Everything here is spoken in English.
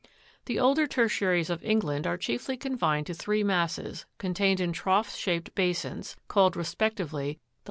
5. The older tertiaries of England are chiefly confined to three masses, contained in trough shaped basins, called respectively, the